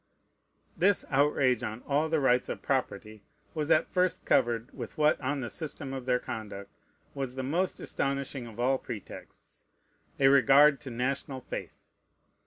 This outrage on all the rights of property was at first covered with what, on the system of their conduct, was the most astonishing of all pretexts, a regard to national faith.